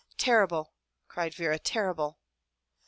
"Terrible!" cried Vera, "Terrible."